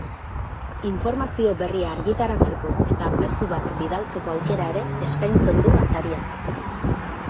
Informazio berria argitaratzeko eta mezu bat bidaltzeko aukera ere eskaintzen du atariak.